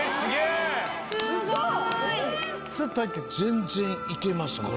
全然いけますこれ。